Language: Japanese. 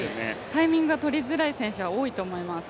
タイミングがとりづらい選手が多いと思います。